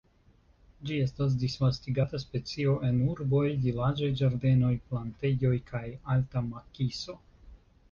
Ĝi estas disvastigata specio en urboj, vilaĝaj ĝardenoj, plantejoj kaj alta makiso.